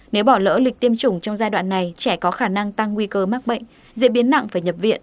nếu bỏ lỡ lịch tiêm chủng trong giai đoạn này trẻ có khả năng tăng nguy cơ mắc bệnh diễn biến nặng phải nhập viện